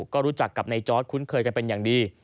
ก็รู้จักกับนายจอร์ดคุ้นเคยกันเป็นอย่างดี